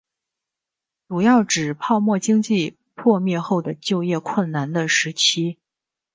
主要指泡沫经济破灭后的就业困难的时期。